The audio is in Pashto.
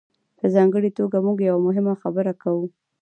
په ځانګړې توګه موږ یوه مهمه خبره کوو.